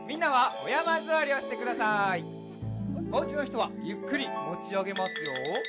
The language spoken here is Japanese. おうちのひとはゆっくりもちあげますよ。